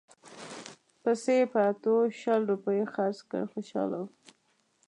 پسه یې په اتو شل روپیو خرڅ کړ خوشاله وو.